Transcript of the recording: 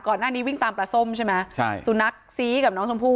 ก่อนหน้านี้วิ่งตามปลาส้มใช่ไหมสูตรหนักซีกับน้องชมพู่